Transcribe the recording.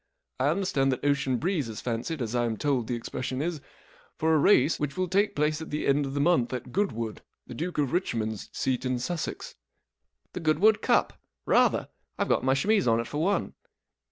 I understand that Ocean Breeze is fancied, as I am told the expression is, for a race which will take place at the end of the month at Goodwood, the Duke of Richmond's seat in Sussex." *' The Goodwood Cup, Rather I Tve got my chemise on it for one."